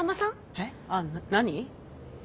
えっあ何？